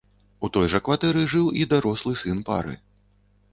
У той жа кватэры жыў і дарослы сын пары.